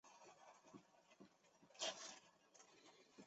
无印良品数位影印输出中心